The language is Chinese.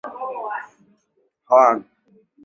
湖北大学知行学院等